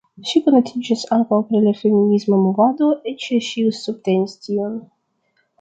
Ŝi konatiĝis ankaŭ pri la feminisma movado, eĉ ŝi subtenis tion.